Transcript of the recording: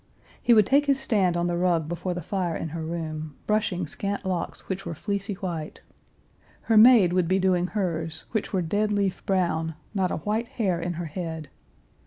He would take his stand on the rug before the fire in her room, brushing scant locks which were fleecy white. Her maid would be doing hers, which were dead leaf brown, not a white hair in her head.